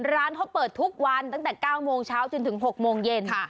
ร้านเขาเปิดทุกวันตั้งแต่๙โมงเช้าจนถึง๖โมงเย็น